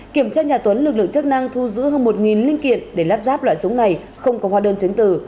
kiểm tra nhà tuấn lực lượng chức năng thu giữ hơn một linh kiện để lắp ráp loại súng này không có hóa đơn chứng từ